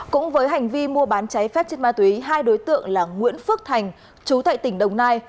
cũng với hành vi mua bán cháy phép chất ma túy hai đối tượng là nguyễn phước thành chú tại tỉnh đồng nai